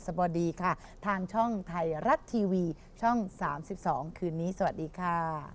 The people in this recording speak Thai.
สวัสดีค่ะทางช่องไทยรัฐทีวีช่อง๓๒คืนนี้สวัสดีค่ะ